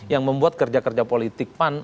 yang membuat kerja kerja politik pan